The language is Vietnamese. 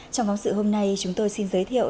trong phóng sự hôm nay chúng tôi xin giới thiệu